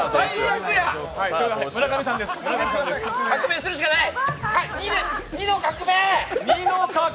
革命するしかない！